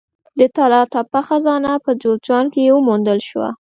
د طلا تپه خزانه په جوزجان کې وموندل شوه